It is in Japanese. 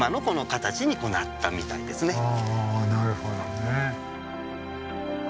あなるほどね。